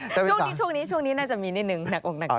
ช่วงนี้น่าจะมีนิดหนึ่งหนักอกหนักใจ